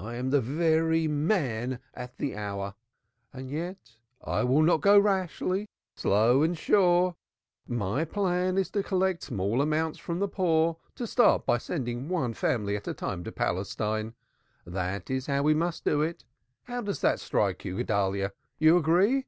I am the very man at the very hour. And yet I will not go rashly slow and sure my plan is to collect small amounts from the poor to start by sending one family at a time to Palestine. That is how we must do it. How does that strike you, Guedalyah. You agree?"